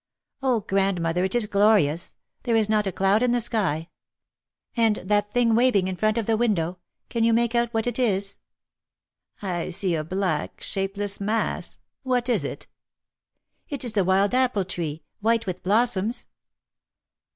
"Oh, grandmother, it is glorious! There is not a cloud in the sky. And, that thing waving in front of the window, can you make out what it is?" "I see a black, shapeless mass. What is it?" "It is the wild apple tree, white with blossoms."